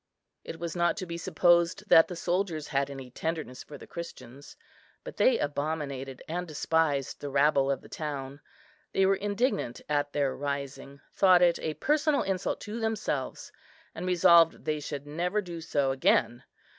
It was not to be supposed that the soldiers had any tenderness for the Christians, but they abominated and despised the rabble of the town. They were indignant at their rising, thought it a personal insult to themselves, and resolved they should never do so again.